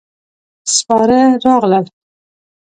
سپاره راغلل.